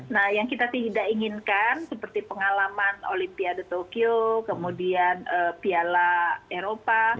nah yang kita tidak inginkan seperti pengalaman olimpiade tokyo kemudian piala eropa